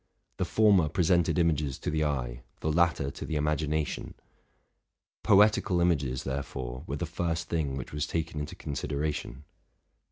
The former presented images to the eye, the latter to the imagination: poetical images, therefore, were the first thing which was taken into consideration.